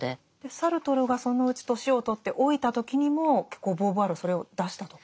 サルトルがそのうち年を取って老いた時にも結構ボーヴォワールはそれを出したとか。